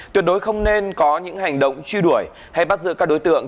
tuyệt đối không nên có những hành động truy đuổi hay bắt giữ các đối tượng